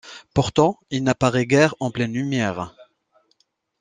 Pourtant, il n'apparaît guère en pleine lumière.